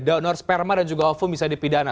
donor sperma dan juga offum bisa dipidana